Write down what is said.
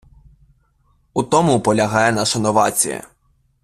У тому полягає наша новація.